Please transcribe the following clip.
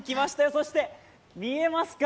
そして、見えますか？